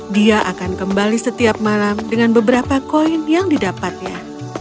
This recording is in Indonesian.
dia akan kembali setiap malam dengan beberapa koin yang didapatnya